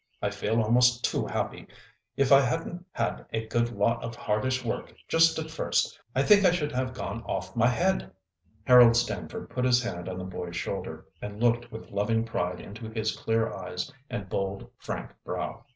I feel almost too happy. If I hadn't had a good lot of hardish work just at first, I think I should have gone off my head." Harold Stamford put his hand on the boy's shoulder, and looked with loving pride into his clear eyes and bold, frank brow.